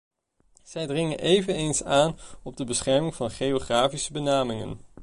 Zij dringen eveneens aan op de bescherming van de geografische benamingen.